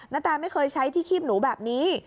แตไม่เคยใช้ที่คีบหนูแบบนี้